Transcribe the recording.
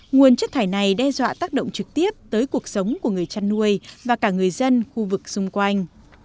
nguồn chất thải này đe dọa tác động trực tiếp tới cuộc sống của người chăn nuôi và cả người dân khu vực xung quanh